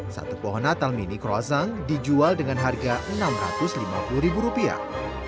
satu pohon natal mini kroasing dijual dengan harga enam ratus lima puluh ribu rupiah